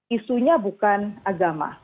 isunya bukan agama